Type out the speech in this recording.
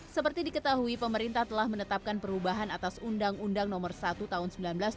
seperti diketahui pemerintah telah menetapkan perubahan atas undang undang nomor satu tahun seribu sembilan ratus sembilan puluh